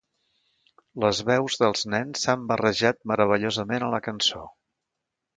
Les veus dels nens s'han barrejat meravellosament a la cançó.